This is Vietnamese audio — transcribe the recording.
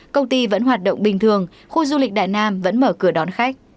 công ty vẫn hoạt động bình thường khu du lịch đại nam vẫn mở cửa đón khách